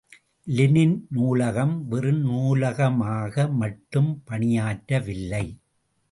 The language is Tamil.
லெனின் நூலகம், வெறும் நூலகமாக மட்டும் பணியாற்ற வில்லை.